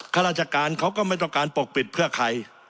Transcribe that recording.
ข้าราชการเขาก็ไม่ต้องการปกปิดเพื่อใคร